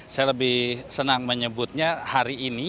saya lebih senang menyebutnya hari ini